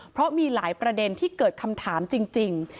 เพราะมีหลายประเด็นที่เกิดคำถามจริง